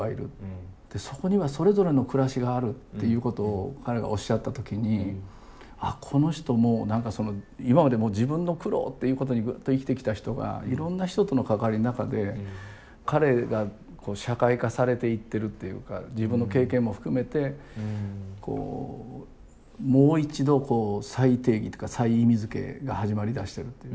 そこにはそれぞれの暮らしがあるっていうことを彼がおっしゃった時にあっこの人も何かその今までも自分の苦労っていうことにずっと生きてきた人がいろんな人との関わりの中で彼が社会化されていってるというか自分の経験も含めてこうもう一度再定義というか再意味づけが始まりだしてる。